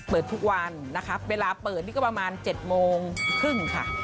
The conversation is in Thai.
เปิดทุกวันนะคะเวลาเปิดนี่ก็ประมาณ๗โมงครึ่งค่ะ